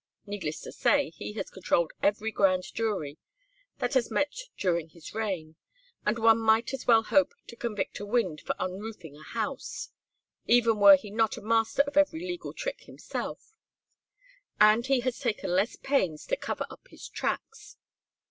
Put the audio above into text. Needless to say he has controlled every grand jury that has met during his reign, and one might as well hope to convict a wind for unroofing a house, even were he not master of every legal trick himself, and had he taken less pains to cover up his tracks.